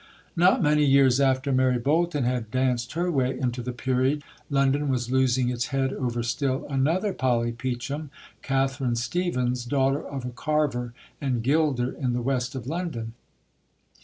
Not many years after Mary Bolton had danced her way into the Peerage London was losing its head over still another "Polly Peachum" Catherine Stephens, daughter of a carver and gilder in the West of London.